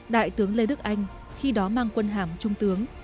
đại tướng lê đức anh khi đó mang quân hàm trung tướng